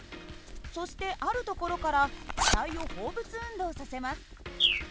そしてある所から機体を放物運動させます。